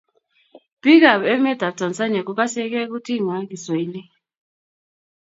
Biikab emetab Tanzania kogasegei kuting'wai, Kiswahili.